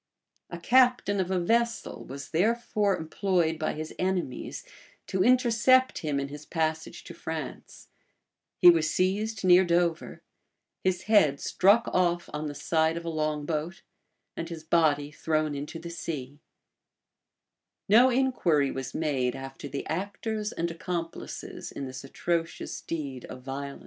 A captain of a vessel was therefore employed by his enemies to intercept him in his passage to France: he was seized near Dover; his head struck off on the side of a long boat; and his body thrown into the sea,[] No inquiry was made after the actors and accomplices in this atrocious deed of violence.